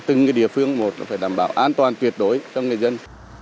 từng địa phương một là phải đảm bảo an toàn tuyệt đối cho người dân